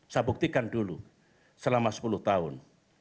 saya buktikan dulu selama sepuluh tahun